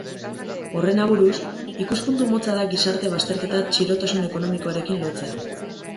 Horren aburuz, ikuspuntu motza da gizarte bazterketa txirotasun ekonomikoarekin lotzea.